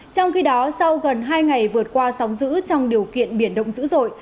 trong khi đó sau gần hai ngày vượt qua sóng giữ trong điều kiện biển động dữ dội